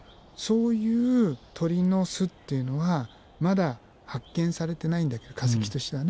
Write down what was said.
そういう鳥の巣っていうのはまだ発見されてないんだけど化石としてはね。